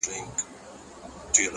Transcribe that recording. په سپينه زنه كي خال ووهي ويده سمه زه-